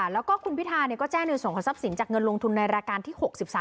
แล้วก็คุณพิธาก็แจ้งในส่วนของทรัพย์สินจากเงินลงทุนในรายการที่๖๓